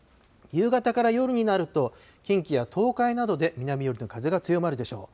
夕方から夜になると、近畿や東海などで南寄りの風が強まるでしょう。